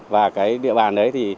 và cái địa bàn đấy